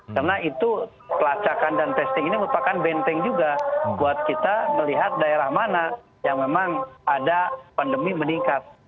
karena itu pelacakan dan testing ini merupakan benteng juga buat kita melihat daerah mana yang memang ada pandemi meningkat